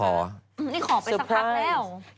อันนี้ขอไปสักครั้งแล้ว